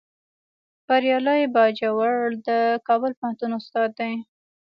بریالی باجوړی د کابل پوهنتون استاد دی